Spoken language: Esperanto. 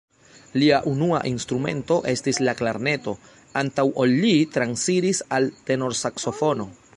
Lia unua instrumento estis la klarneto, antaŭ ol li transiris al tenorsaksofono.